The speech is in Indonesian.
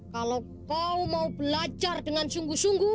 kalau kau mau belajar dengan sungguh sungguh